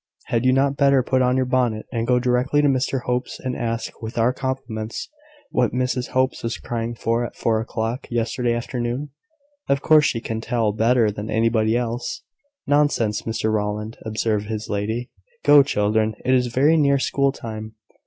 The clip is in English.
Had you not better put on your bonnet, and go directly to Mr Hope's, and ask, with our compliments, what Mrs Hope was crying for at four o'clock yesterday afternoon? Of course she can tell better than anybody else." "Nonsense, Mr Rowland," observed his lady. "Go, children, it is very near school time."